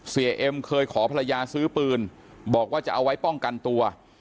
เอ็มเคยขอภรรยาซื้อปืนบอกว่าจะเอาไว้ป้องกันตัว